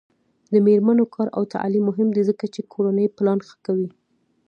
د میرمنو کار او تعلیم مهم دی ځکه چې کورنۍ پلان ښه کوي.